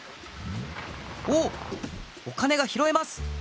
おおっお金がひろえます！